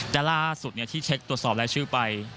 แต่ล่าสุดที่เช็คตรวจสอบรายชื่อไป